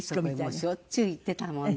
もうしょっちゅう行ってたもんで。